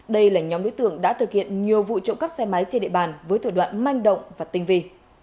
đây là nhóm đối tượng đã thực hiện nhiều vụ trộm cắp xe máy trên địa bàn với thủ đoạn manh động và tinh vi